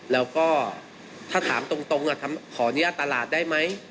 แล้วก็ถ้าถามตรงน่ะขอเนี้ยตลาดได้ไหม